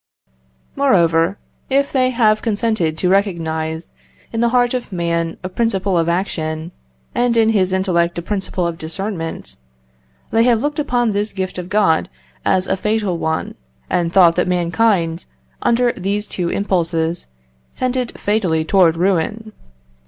Moreover, if they have consented to recognise in the heart of man a principle of action, and in his intellect a principle of discernment, they have looked upon this gift of God as a fatal one, and thought that mankind, under these two impulses, tended fatally towards ruin.